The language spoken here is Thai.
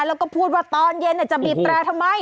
แล้วก็พูดว่าตอนเย็นจะบีบแตรทำไม